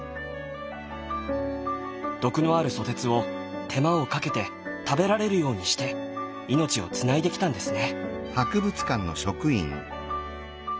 毒のあるソテツを手間をかけて食べられるようにして命をつないできたんですね。